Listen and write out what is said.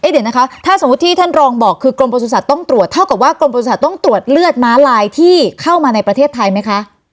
เดี๋ยวนะคะถ้าสมมุติที่ท่านรองบอกคือกรมประสุทธิ์ต้องตรวจเท่ากับว่ากรมประสุทธิ์ต้องตรวจเลือดม้าลายที่เข้ามาในประเทศไทยไหมคะ